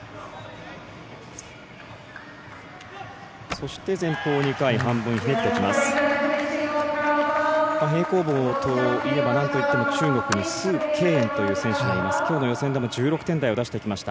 そして前方２回半分ひねってきます。